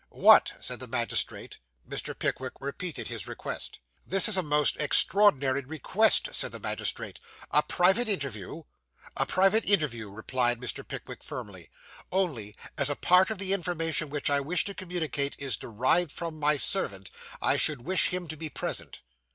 'What?' said the magistrate. Mr. Pickwick repeated his request. 'This is a most extraordinary request,' said the magistrate. 'A private interview?' 'A private interview,' replied Mr. Pickwick firmly; 'only, as a part of the information which I wish to communicate is derived from my servant, I should wish him to be present.